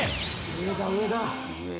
上だ上だ。